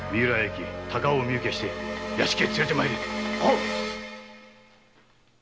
高尾を身請けして屋敷へ連れて参れ！